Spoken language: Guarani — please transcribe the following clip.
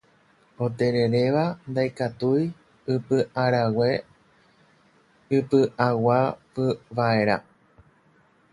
Otereréva ndaikatúi ipyʼarag̃e ipyʼaguapyvaʼerã.